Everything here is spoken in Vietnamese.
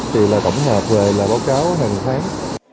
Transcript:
thì là tổng hợp về là báo cáo hàng tháng